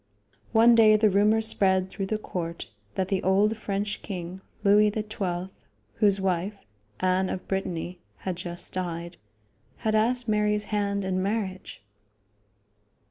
One day the rumor spread through the court that the old French king, Louis XII, whose wife, Anne of Brittany, had just died, had asked Mary's hand in marriage.